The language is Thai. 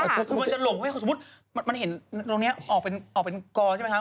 มันจะหลงเพราะสมมุติมันเห็นตรงนี้ออกเป็นกรอใช่ไหมคะ